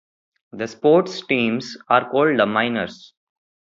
The sports teams are called the Miners.